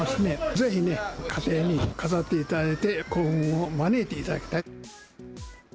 ぜひね、家庭に飾っていただいて、幸運を招いていただきたい。